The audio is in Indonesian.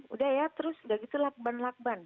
udah ya terus udah gitu lakban lakban